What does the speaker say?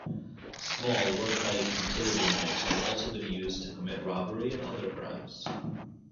Small work-type utility knives have also been used to commit robbery and other crimes.